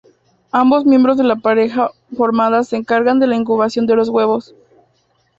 Ambos miembros de la pareja formada se encargan de la incubación de los huevos.